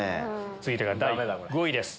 続いてが第５位です。